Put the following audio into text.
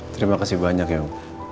terima kasih banyak yo